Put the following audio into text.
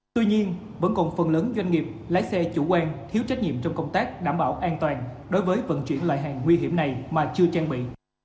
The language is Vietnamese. do đó cần tăng cường công tác đảm bảo an toàn đối với vận chuyển lại hàng nguy hiểm này mà chưa trang bị